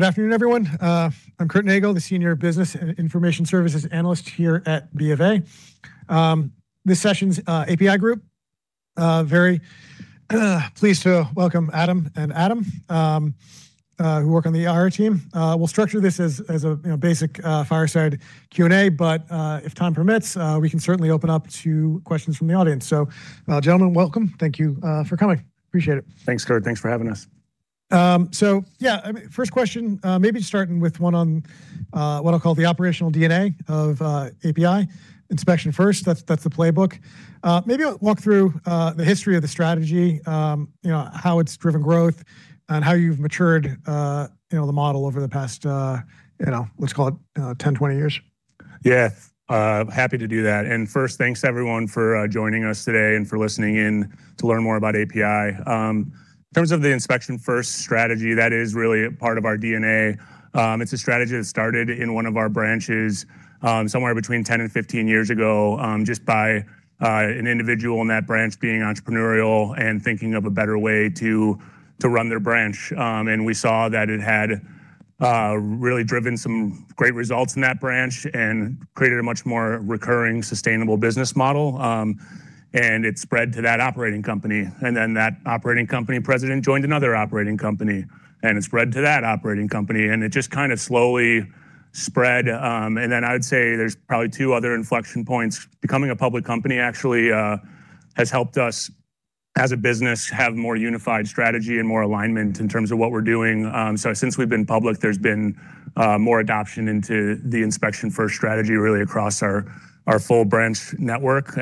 Good afternoon, everyone. I'm Curt Nagle, the Senior Business and Information Services Analyst here at BofA. This session is APi Group, very pleased to welcome Adam who work on the IR team. We'll structure this as a you know basic fireside Q&A, but if time permits, we can certainly open up to questions from the audience. Gentlemen, welcome. Thank you for coming. Appreciate it. Thanks, Curt. Thanks for having us. Yeah, first question, maybe starting with one on what I'll call the operational DNA of APi Inspection First. That's the playbook. Maybe walk through the history of the strategy, you know, how it's driven growth and how you've matured, you know, the model over the past, you know, let's call it, 10, 20 years. Yeah, happy to do that. First, thanks everyone for joining us today and for listening in to learn more about APi. In terms of the Inspection First strategy, that is really a part of our DNA. It's a strategy that started in one of our branches, somewhere between 10 and 15 years ago, just by an individual in that branch being entrepreneurial and thinking of a better way to run their branch. We saw that it had really driven some great results in that branch and created a much more recurring, sustainable business model. It spread to that operating company. Then that operating company president joined another operating company, and it spread to that operating company, and it just kinda slowly spread. Then I'd say there's probably two other inflection points. Becoming a public company actually has helped us as a business have more unified strategy and more alignment in terms of what we're doing. Since we've been public, there's been more adoption into the Inspection First strategy really across our full branch network.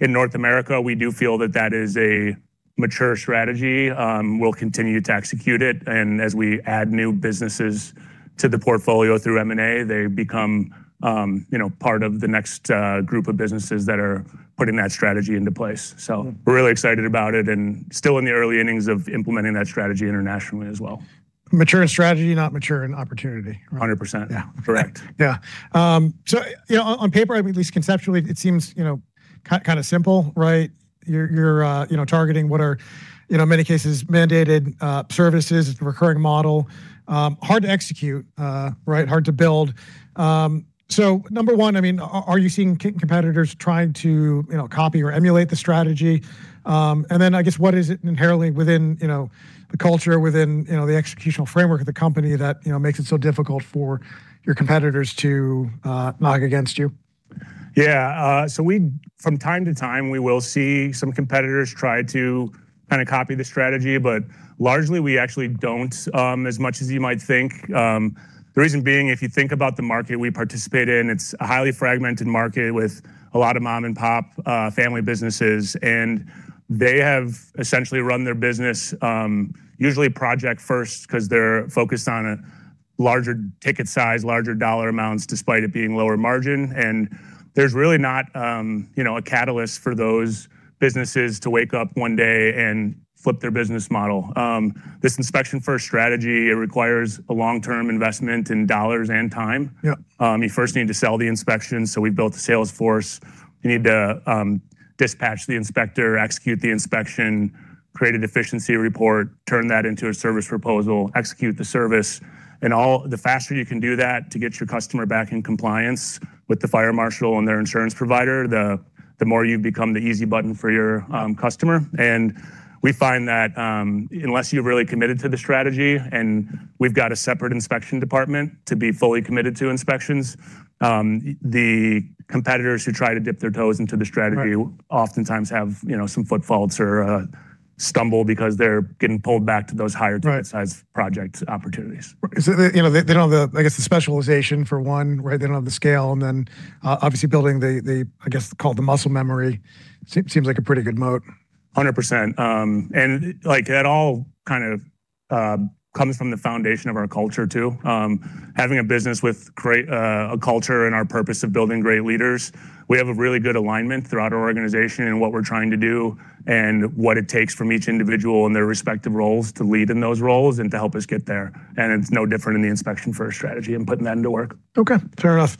In North America, we do feel that is a mature strategy. We'll continue to execute it and as we add new businesses to the portfolio through M&A, they become, you know, part of the next group of businesses that are putting that strategy into place. We're really excited about it and still in the early innings of implementing that strategy internationally as well. Mature strategy, not mature in opportunity. 100%. Yeah. Correct. Yeah. So, you know, on paper, at least conceptually, it seems, you know, kind of simple, right? You're, you know, targeting what are, you know, in many cases, mandated services. It's a recurring model. Hard to execute, right, hard to build. So number one, I mean, are you seeing competitors trying to, you know, copy or emulate the strategy? And then I guess, what is it inherently within, you know, the culture, within, you know, the executional framework of the company that, you know, makes it so difficult for your competitors to lag against you? Yeah. From time to time, we will see some competitors try to kinda copy the strategy, but largely we actually don't, as much as you might think. The reason being, if you think about the market we participate in, it's a highly fragmented market with a lot of mom-and-pop family businesses. They have essentially run their business, usually project first 'cause they're focused on a larger ticket size, larger dollar amounts, despite it being lower margin. There's really not, you know, a catalyst for those businesses to wake up one day and flip their business model. This inspection first strategy, it requires a long-term investment in dollars and time. You first need to sell the inspection, so we built a sales force. You need to dispatch the inspector, execute the inspection, create a deficiency report, turn that into a service proposal, execute the service. The faster you can do that to get your customer back in compliance with the fire marshal and their insurance provider, the more you become the easy button for your customer. We find that unless you're really committed to the strategy, and we've got a separate inspection department to be fully committed to inspections, the competitors who try to dip their toes into the strategy. Oftentimes have, you know, some foot faults or stumble because they're getting pulled back to those higher-ticket size project opportunities. You know, they don't have the, I guess, the specialization for one, right? They don't have the scale. Then, obviously building the, I guess, called the muscle memory seems like a pretty good moat. 100%. Like that all kind of comes from the foundation of our culture, too. Having a business with great culture and our purpose of building great leaders, we have a really good alignment throughout our organization and what we're trying to do and what it takes from each individual in their respective roles to lead in those roles and to help us get there. It's no different in the Inspection First strategy and putting that to work. Okay. Fair enough.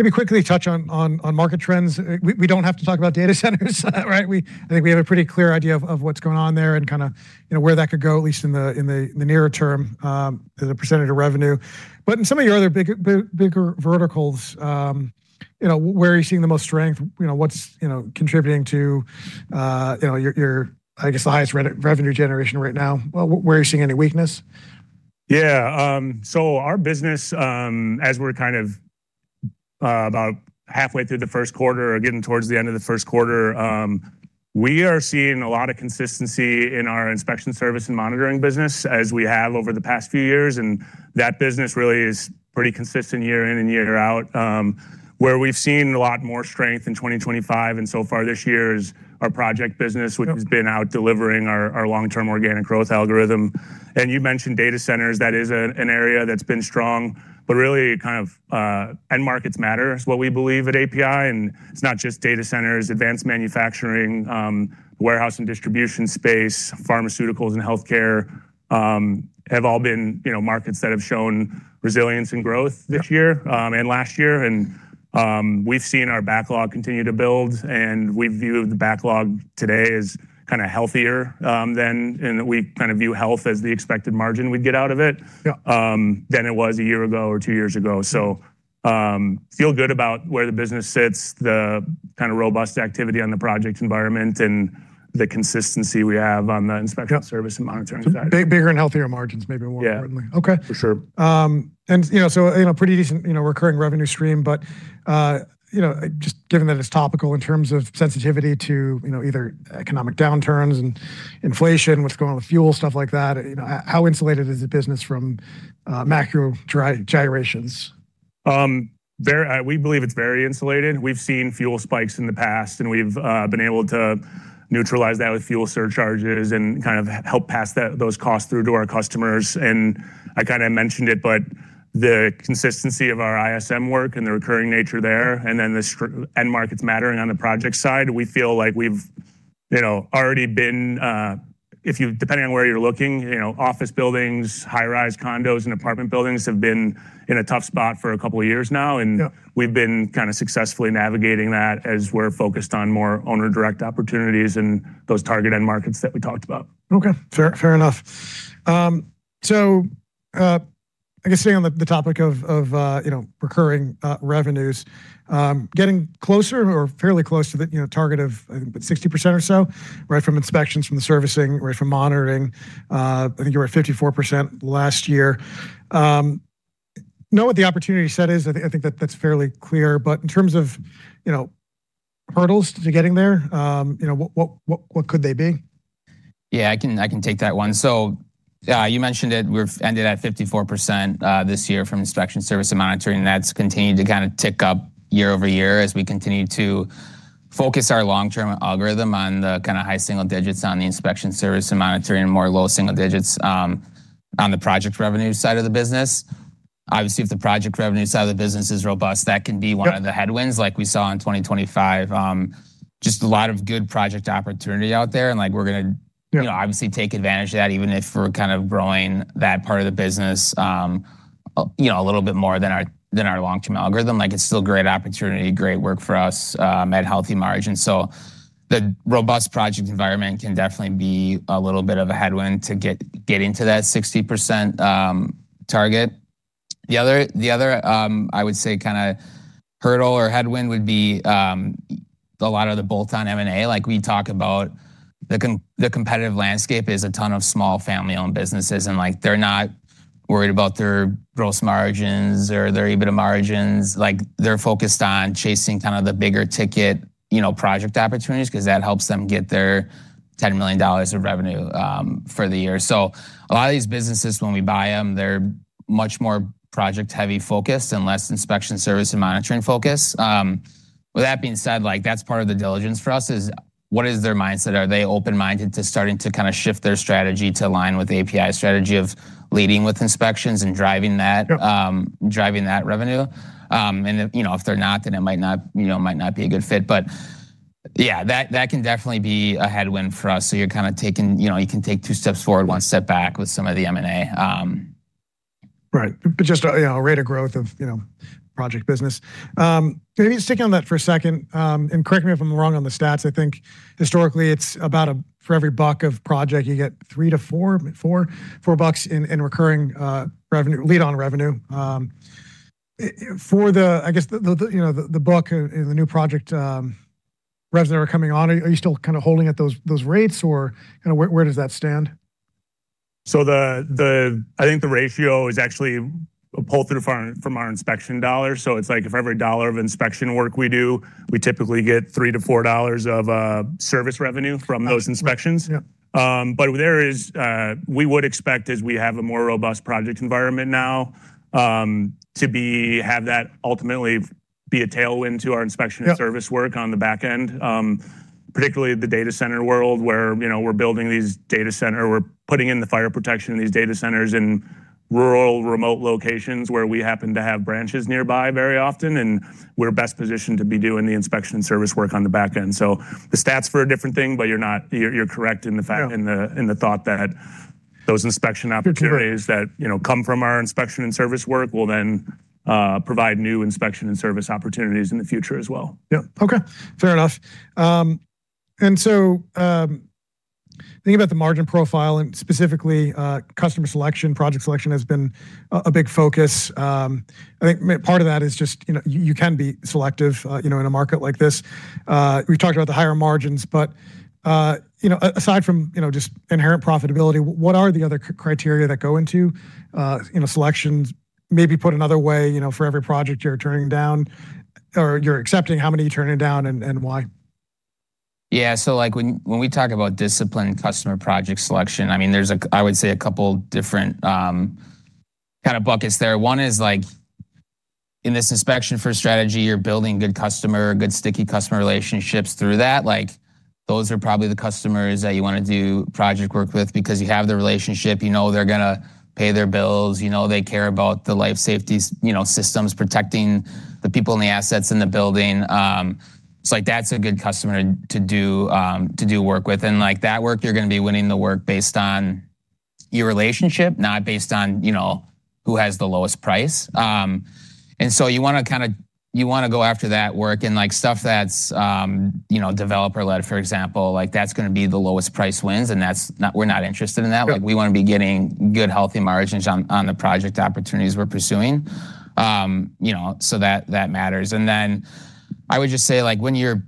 Let me quickly touch on market trends. We don't have to talk about data centers, right? I think we have a pretty clear idea of what's going on there and kinda, you know, where that could go, at least in the nearer term, as a percentage of revenue. In some of your other bigger verticals, you know, where are you seeing the most strength? You know, what's contributing to, you know, your, I guess, the highest revenue generation right now? Where are you seeing any weakness? Yeah, so our business, as we're kind of about halfway through the first quarter or getting towards the end of the first quarter, we are seeing a lot of consistency in our inspection service and monitoring business as we have over the past few years. That business really is pretty consistent year in and year out. Where we've seen a lot more strength in 2025 and so far this year is our project business which has been out delivering our long-term organic growth algorithm. You mentioned data centers, that is an area that's been strong. Really kind of end markets matter is what we believe at APi, and it's not just data centers. Advanced manufacturing, warehouse and distribution space, pharmaceuticals and healthcare have all been, you know, markets that have shown resilience and growth this year. Last year, we've seen our backlog continue to build, and we view the backlog today as kind of healthier than. We kind of view health as the expected margin we'd get out of it than it was a year ago or two years ago. Feel good about where the business sits, the kind of robust activity on the project environment, and the consistency we have on the inspection service and monitoring side. Bigger and healthier margins maybe more importantly. Yeah. Okay. For sure. Pretty decent, you know, recurring revenue stream. You know, just given that it's topical in terms of sensitivity to, you know, either economic downturns and inflation, what's going on with fuel, stuff like that, you know, how insulated is the business from macro gyrations? We believe it's very insulated. We've seen fuel spikes in the past, and we've been able to neutralize that with fuel surcharges and kind of help pass that, those costs through to our customers. I kinda mentioned it, but the consistency of our ISM work and the recurring nature there, and then the end markets mattering on the project side, we feel like we've, you know, already been, Depending on where you're looking, you know, office buildings, high-rise condos and apartment buildings have been in a tough spot for a couple of years now. We've been kinda successfully navigating that as we're focused on more owner-direct opportunities and those target end markets that we talked about. Okay, fair enough. I guess staying on the topic of you know recurring revenues, getting closer or fairly close to the you know target of, I think, about 60% or so, right from inspections, from the servicing, right from monitoring. I think you were at 54% last year. Know what the opportunity set is. I think that that's fairly clear. In terms of you know hurdles to getting there, you know, what could they be? Yeah, I can take that one. You mentioned it, we've ended at 54% this year from inspection service and monitoring. That's continued to kinda tick up year-over-year as we continue to focus our long-term algorithm on the kinda high-single digits on the inspection service and monitoring and more low-single digits on the project revenue side of the business. Obviously, if the project revenue side of the business is robust, that can be one of the headwinds like we saw in 2025. Just a lot of good project opportunity out there, and we're gonna, you know, obviously take advantage of that, even if we're kind of growing that part of the business, you know, a little bit more than our long-term algorithm. Like, it's still great opportunity, great work for us, at healthy margins. The robust project environment can definitely be a little bit of a headwind to get into that 60% target. The other, I would say kinda hurdle or headwind would be a lot of the bolt-on M&A. Like we talk about the competitive landscape is a ton of small family-owned businesses, and, like, they're not worried about their gross margins or their EBITDA margins. Like, they're focused on chasing kinda the bigger ticket, you know, project opportunities 'cause that helps them get their $10 million of revenue for the year. A lot of these businesses, when we buy them, they're much more project-heavy focused and less inspection service and monitoring focused. With that being said, like, that's part of the diligence for us is what is their mindset? Are they open-minded to starting to kinda shift their strategy to align with the APi strategy of leading with inspections and driving that revenue? You know, if they're not, then it might not, you know, it might not be a good fit. Yeah, that can definitely be a headwind for us. You know, you can take two steps forward, one step back with some of the M&A. Right. Just, you know, a rate of growth of, you know, project business. Maybe sticking on that for a second, and correct me if I'm wrong on the stats. I think historically it's about, for every $1 of project, you get $3-$4 bucks in recurring revenue, lead on revenue. For the, I guess, the book and the new project revenue are coming on, are you still kind of holding at those rates? Kinda where does that stand? I think the ratio is actually pulled through from our inspection dollars. It's like for every $1 of inspection work we do, we typically get $3-$4 of service revenue from those inspections. We would expect as we have a more robust project environment now to have that ultimately be a tailwind to our inspection service work on the back end. Particularly the data center world, where, you know, we're building these data centers. We're putting in the fire protection in these data centers in rural, remote locations where we happen to have branches nearby very often, and we're best positioned to be doing the inspection service work on the back end. The stats for a different thing, but you're correct in the fact in the thought that those inspection opportunities that, you know, come from our inspection and service work will then provide new inspection and service opportunities in the future as well. Yeah. Okay, fair enough. Thinking about the margin profile and specifically, customer selection, project selection has been a big focus. I think part of that is just, you know, you can be selective, you know, in a market like this. We talked about the higher margins, but, you know, aside from, you know, just inherent profitability, what are the other criteria that go into, you know, selections? Maybe put another way, you know, for every project you're turning down or you're accepting, how many are you turning down and why? Yeah. Like when we talk about disciplined customer project selection, I mean, there's I would say a couple different kinda buckets there. One is like in this inspection first strategy, you're building good sticky customer relationships through that. Like, those are probably the customers that you wanna do project work with because you have the relationship. You know they're gonna pay their bills. You know they care about the life safety you know, systems protecting the people and the assets in the building. Like that's a good customer to do work with. Like that work, you're gonna be winning the work based on your relationship, not based on, you know, who has the lowest price. You wanna kinda go after that work and like stuff that's you know developer-led, for example. Like, that's gonna be the lowest price wins, and that's not. We're not interested in that, like, we wanna be getting good, healthy margins on the project opportunities we're pursuing. You know, so that matters. I would just say, like, when you're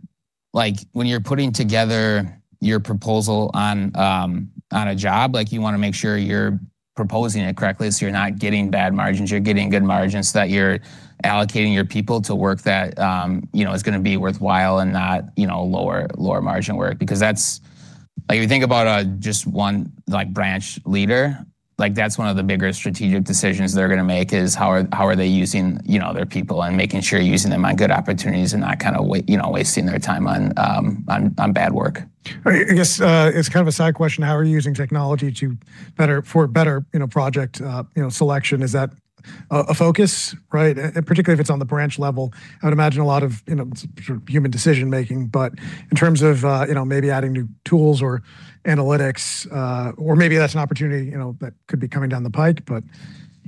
putting together your proposal on a job, like, you wanna make sure you're proposing it correctly so you're not getting bad margins. You're getting good margins, that you're allocating your people to work that you know is gonna be worthwhile and not you know lower margin work. Because that's like, if you think about just one, like, branch leader, like, that's one of the biggest strategic decisions they're gonna make is how are they using their people and making sure you're using them on good opportunities and not kinda you know wasting their time on bad work. Right. I guess it's kind of a side question. How are you using technology for better project selection? Is that a focus, right? And particularly if it's on the branch level, I would imagine a lot of you know sort of human decision-making. But in terms of you know maybe adding new tools or analytics or maybe that's an opportunity you know that could be coming down the pipe but.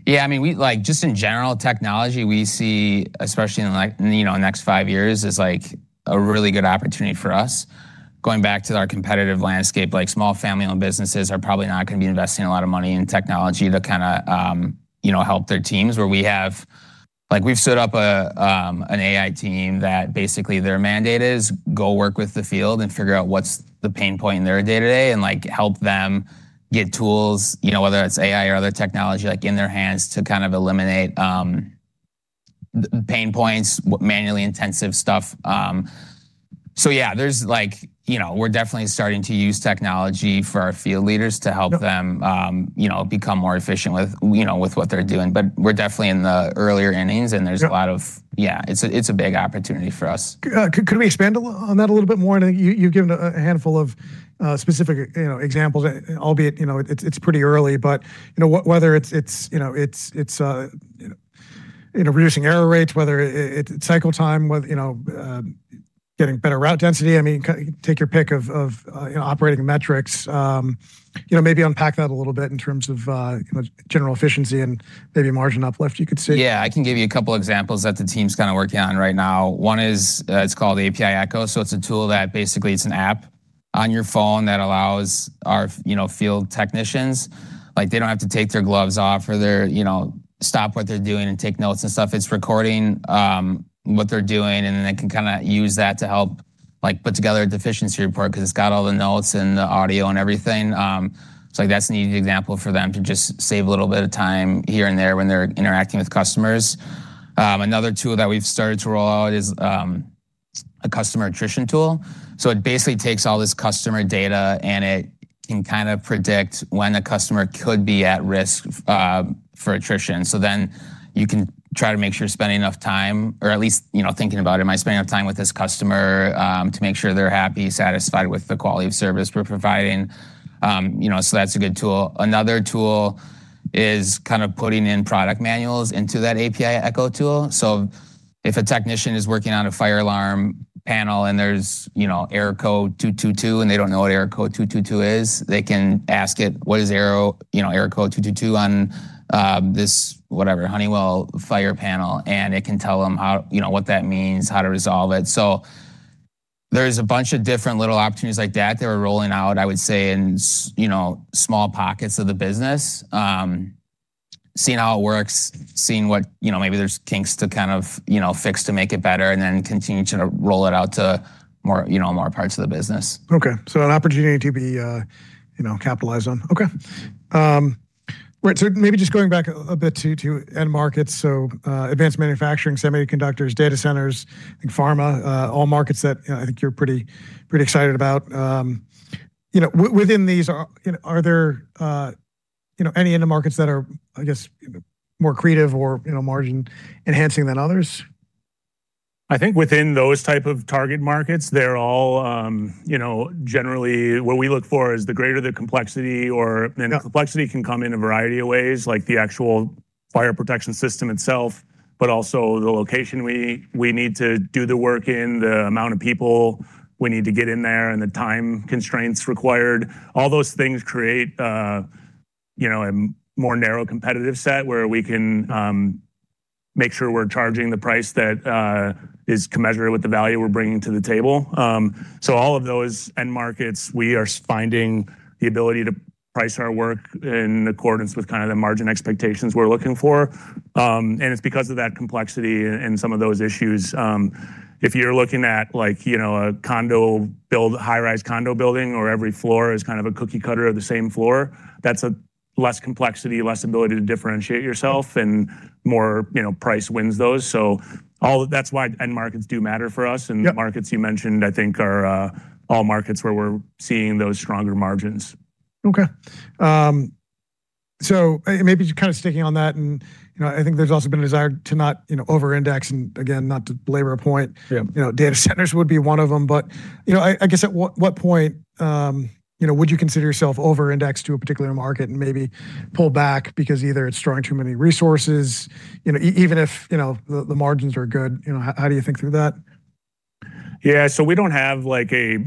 Yeah, I mean, we, like, just in general, technology, we see, especially in, like, you know, next five years, is, like, a really good opportunity for us. Going back to our competitive landscape, like, small family-owned businesses are probably not gonna be investing a lot of money in technology to kinda, you know, help their teams. Where we have, like, we've stood up an AI team that basically their mandate is go work with the field and figure out what's the pain point in their day-to-day, and, like, help them get tools, you know, whether it's AI or other technology, like, in their hands to kind of eliminate the pain points, manually intensive stuff. Yeah, there's like, you know, we're definitely starting to use technology for our field leaders to help them, you know, become more efficient with, you know, with what they're doing. We're definitely in the earlier innings, and there's a lot of big opportunity for us. Could we expand a little on that a little bit more? You've given a handful of specific, you know, examples. Albeit, you know, it's pretty early, but, you know, whether it's, you know, reducing error rates, whether it's cycle time, you know, getting better route density. I mean, take your pick of, you know, operating metrics. You know, maybe unpack that a little bit in terms of, you know, general efficiency and maybe margin uplift you could see. Yeah. I can give you a couple examples that the team's kinda working on right now. One is, it's called APi Echo. It's a tool that basically it's an app on your phone that allows our you know, field technicians, like, they don't have to take their gloves off or they're, you know, stop what they're doing and take notes and stuff. It's recording, what they're doing, and then they can kinda use that to help, like, put together a deficiency report 'cause it's got all the notes and the audio and everything. That's an easy example for them to just save a little bit of time here and there when they're interacting with customers. Another tool that we've started to roll out is, a customer attrition tool. It basically takes all this customer data, and it can kinda predict when a customer could be at risk for attrition. You can try to make sure you're spending enough time or at least, you know, thinking about, am I spending enough time with this customer, to make sure they're happy, satisfied with the quality of service we're providing? You know, that's a good tool. Another tool is kind of putting in product manuals into that APi Echo tool. If a technician is working on a fire alarm panel, and there's, you know, Error Code 222, and they don't know what Error Code 222 is, they can ask it, "What is error, you know, Error Code 222 on, this, whatever, Honeywell fire panel?" It can tell them how, you know, what that means, how to resolve it. There's a bunch of different little opportunities like that that we're rolling out, I would say, in small pockets of the business, seeing how it works, seeing what, you know, maybe there's kinks to kind of, you know, fix to make it better and then continue to roll it out to more, you know, more parts of the business. Okay. An opportunity to be, you know, capitalized on. Okay. Right. Maybe just going back a bit to end markets. Advanced manufacturing, semiconductors, data centers, and pharma, all markets that I think you're pretty excited about. You know, within these, are there, you know, any end markets that are, I guess, more creative or, you know, margin enhancing than others? I think within those type of target markets, they're all, you know, generally what we look for is the greater the complexity or the complexity can come in a variety of ways, like the actual fire protection system itself, but also the location we need to do the work in, the amount of people we need to get in there, and the time constraints required. All those things create you know a more narrow competitive set where we can make sure we're charging the price that is commensurate with the value we're bringing to the table. All of those end markets, we are finding the ability to price our work in accordance with kinda the margin expectations we're looking for. It's because of that complexity and some of those issues. If you're looking at, like, you know, a condo build, high-rise condo building or every floor is kind of a cookie cutter of the same floor, that's a less complexity, less ability to differentiate yourself and more, you know, price wins those. That's why end markets do matter for us. The markets you mentioned, I think, are all markets where we're seeing those stronger margins. Maybe just kinda sticking on that and, you know, I think there's also been a desire to not, you know, over-index, and again, not to belabor a point. You know, data centers would be one of them. You know, I guess at what point, you know, would you consider yourself over-indexed to a particular market and maybe pull back because either it's drawing too many resources, you know, even if, you know, the margins are good. You know, how do you think through that? Yeah. We don't have like a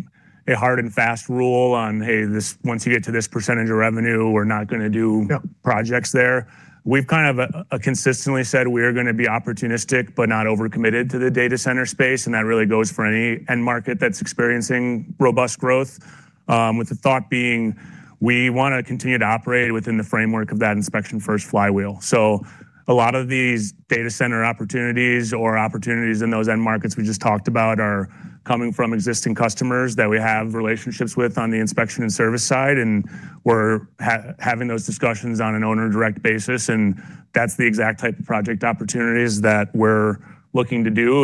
hard and fast rule on, hey, this, once you get to this percentage of revenue, we're not gonna do projects there. We've kind of consistently said we are gonna be opportunistic but not over-committed to the data center space, and that really goes for any end market that's experiencing robust growth, with the thought being we wanna continue to operate within the framework of that Inspection First flywheel. A lot of these data center opportunities or opportunities in those end markets we just talked about are coming from existing customers that we have relationships with on the inspection and service side, and we're having those discussions on an owner direct basis, and that's the exact type of project opportunities that we're looking to do.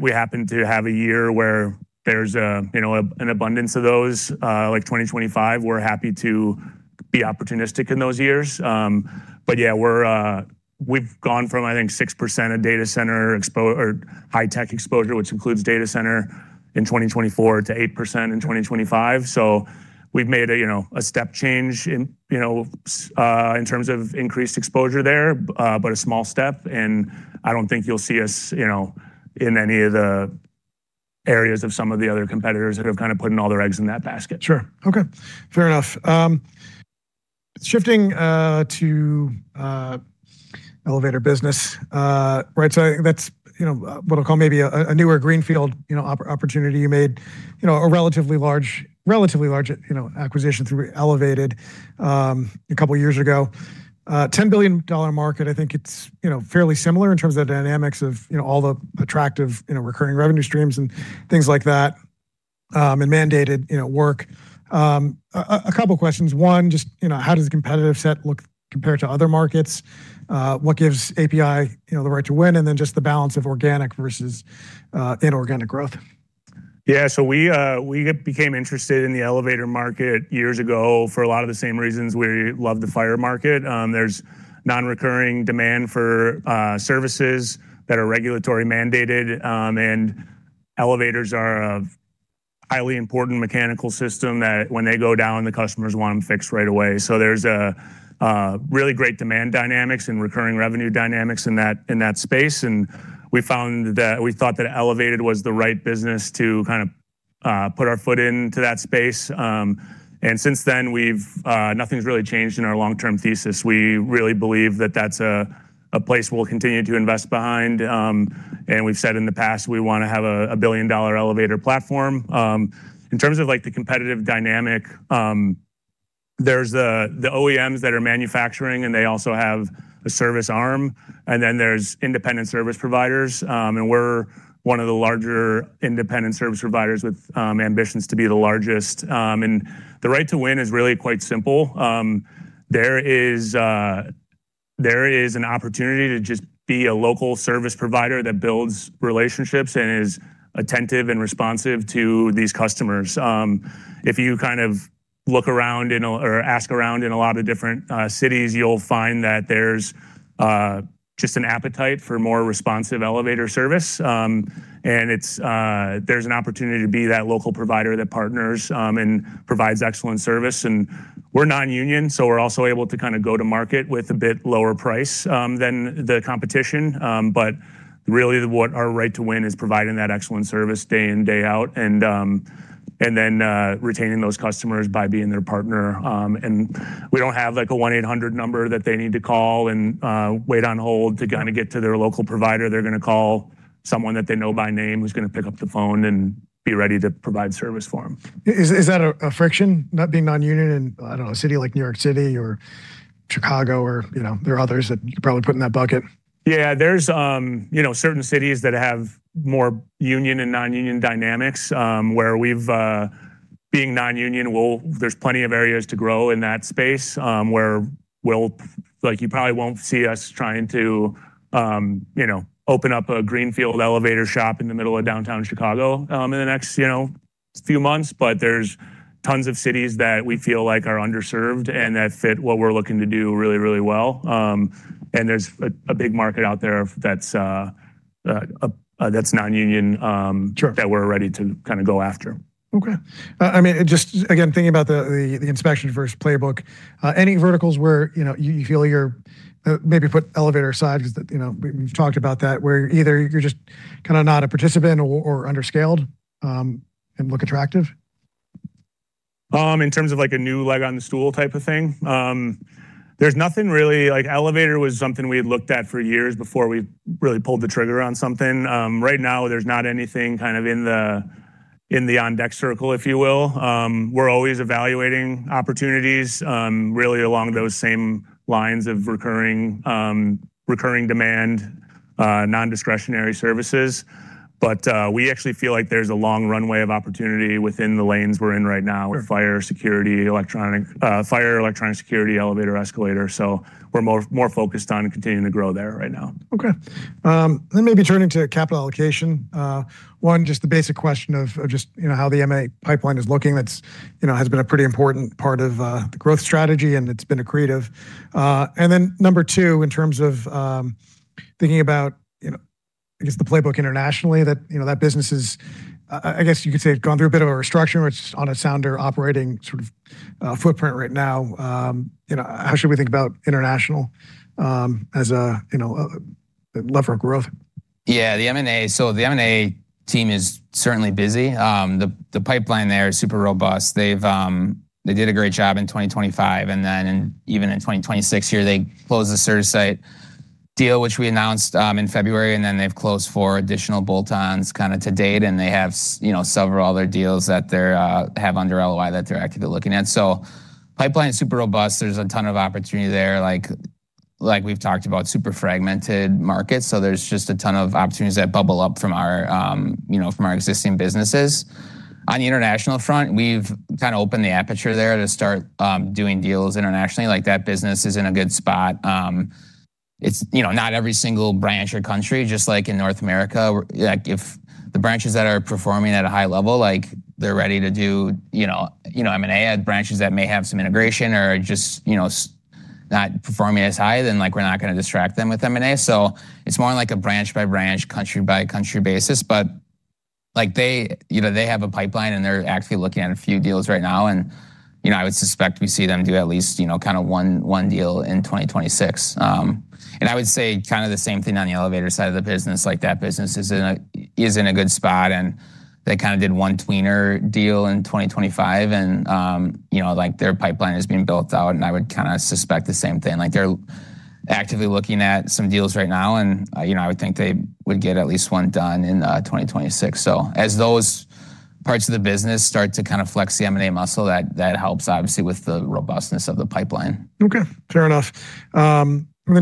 We happen to have a year where there's a, you know, an abundance of those, like 2025, we're happy to be opportunistic in those years. Yeah, we've gone from, I think, 6% of data center or high tech exposure, which includes data center in 2024 to 8% in 2025. We've made a, you know, a step change in, you know, in terms of increased exposure there, but a small step, and I don't think you'll see us, you know, in any of the areas of some of the other competitors that have kinda put all their eggs in that basket. Sure. Okay. Fair enough. Shifting to elevator business, right? I think that's, you know, what I'll call maybe a newer greenfield, you know, opportunity. You made, you know, a relatively large, you know, acquisition through Elevated, a couple years ago. $10 billion market, I think it's, you know, fairly similar in terms of the dynamics of, you know, all the attractive, you know, recurring revenue streams and things like that, and mandated, you know, work. A couple questions. One, just, you know, how does the competitive set look compared to other markets? What gives APi, you know, the right to win? And then just the balance of organic versus inorganic growth. Yeah. We became interested in the elevator market years ago for a lot of the same reasons we love the fire market. There's non-recurring demand for services that are regulatory mandated, and elevators are a highly important mechanical system that when they go down, the customers want them fixed right away. There's a really great demand dynamics and recurring revenue dynamics in that space, and we found that we thought that Elevated was the right business to kind of put our foot into that space. Since then nothing's really changed in our long-term thesis. We really believe that that's a place we'll continue to invest behind. We've said in the past we wanna have a billion-dollar elevator platform. In terms of, like, the competitive dynamic, there's the OEMs that are manufacturing and they also have a service arm, and then there's independent service providers, and we're one of the larger independent service providers with ambitions to be the largest. The right to win is really quite simple. There is an opportunity to just be a local service provider that builds relationships and is attentive and responsive to these customers. If you kind of look around or ask around in a lot of different cities, you'll find that there's just an appetite for more responsive elevator service. There's an opportunity to be that local provider that partners and provides excellent service. We're non-union, so we're also able to kinda go to market with a bit lower price than the competition. Really what our right to win is providing that excellent service day in, day out and then retaining those customers by being their partner. We don't have like a 1-800 number that they need to call and wait on hold to kinda get to their local provider. They're gonna call someone that they know by name, who's gonna pick up the phone and be ready to provide service for them. Is that a friction, not being non-union in, I don't know, a city like New York City or Chicago or, you know, there are others that you could probably put in that bucket? Yeah, there's you know, certain cities that have more union and non-union dynamics, where there's plenty of areas to grow in that space, like you probably won't see us trying to, you know, open up a greenfield elevator shop in the middle of downtown Chicago, in the next, you know, few months. There's tons of cities that we feel like are underserved and that fit what we're looking to do really, really well. There's a big market out there that's non-union that we're ready to kinda go after. Okay. I mean, just again, thinking about the Inspection First playbook, any verticals where, you know, you feel you're maybe put Elevated aside because, you know, we've talked about that, where either you're just kinda not a participant or under-scaled, and look attractive? In terms of like a new leg on the stool type of thing? There's nothing really. Like Elevator was something we had looked at for years before we really pulled the trigger on something. Right now there's not anything kind of in the on deck circle, if you will. We're always evaluating opportunities, really along those same lines of recurring demand, non-discretionary services. But we actually feel like there's a long runway of opportunity within the lanes we're in right now. With fire, electronic security, elevator, escalator. We're more focused on continuing to grow there right now. Okay. Maybe turning to capital allocation. One, just the basic question of just, you know, how the M&A pipeline is looking that's, you know, has been a pretty important part of the growth strategy and it's been accretive. Number two, in terms of thinking about, you know, I guess the playbook internationally that, you know, that business is, I guess you could say gone through a bit of a restructure where it's on a sounder operating sort of footprint right now. You know, how should we think about international as a, you know, a lever of growth? Yeah, the M&A. The M&A team is certainly busy. The pipeline there is super robust. They did a great job in 2025, and then in 2026 here, they closed the CertaSite deal, which we announced in February, and then they've closed four additional bolt-ons kinda to date, and they have you know, several other deals that they have under LOI that they're actively looking at. Pipeline is super robust. There's a ton of opportunity there, like we've talked about, super fragmented markets, so there's just a ton of opportunities that bubble up from our you know, from our existing businesses. On the international front, we've kinda opened the aperture there to start doing deals internationally. Like, that business is in a good spot. It's, you know, not every single branch or country, just like in North America, like if the branches that are performing at a high level, like they're ready to do, you know, M&A. At branches that may have some integration or are just, you know, not performing as high, then like we're not gonna distract them with M&A. It's more like a branch-by-branch, country-by-country basis. Like they, you know, they have a pipeline, and they're actively looking at a few deals right now and, you know, I would suspect we see them do at least, you know, kinda one deal in 2026. I would say kinda the same thing on the elevator side of the business. Like that business is in a good spot, and they kinda did one tweener deal in 2025. You know, like their pipeline is being built out, and I would kinda suspect the same thing. Like they're actively looking at some deals right now. You know, I would think they would get at least one done in 2026. As those parts of the business start to kind of flex the M&A muscle, that helps obviously with the robustness of the pipeline. Okay, fair enough.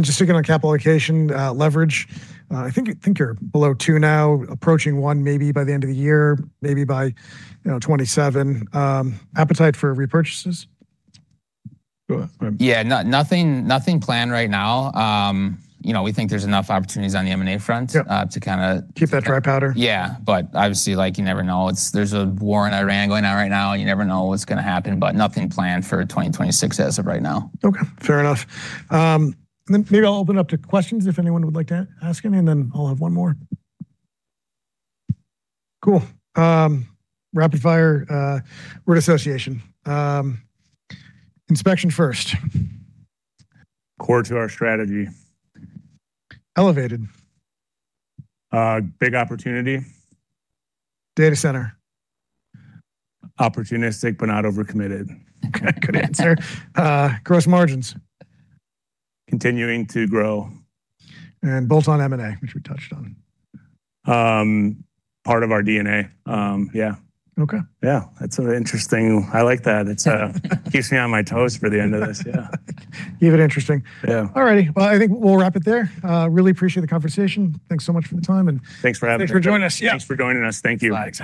Just sticking on capital allocation, leverage, I think you're below 2x now, approaching 1x maybe by the end of the year, maybe by, you know, 2027. Appetite for repurchases? Go ahead. Yeah. Nothing planned right now. You know, we think there's enough opportunities on the M&A front to kinda— Keep that dry powder. Yeah. Obviously, like you never know. There's a war in Iran going on right now. You never know what's gonna happen, but nothing planned for 2026 as of right now. Okay, fair enough. Maybe I'll open up to questions if anyone would like to ask any, and then I'll have one more. Cool. Rapid fire, word association. Inspection First. Core to our strategy. Elevated. Big opportunity. Data center. Opportunistic, but not overcommitted. Okay, good answer. Gross margins. Continuing to grow. Bolt-on M&A, which we touched on. Part of our DNA. Yeah. Okay. Yeah. That's an interesting. I like that. It keeps me on my toes for the end of this. Yeah. Keep it interesting. Yeah. All righty. Well, I think we'll wrap it there. Really appreciate the conversation. Thanks so much for the time, and. Thanks for having me. Thanks for joining us. Yeah. Thanks for joining us. Thank you. Thanks.